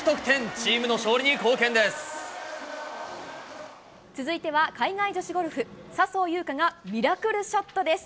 チームの勝利に貢献で続いては、海外女子ゴルフ。笹生優花がミラクルショットです。